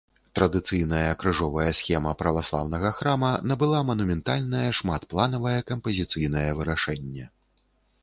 Традыцыйная крыжовая схема праваслаўнага храма набыла манументальнае шматпланавае кампазіцыйнае вырашэнне.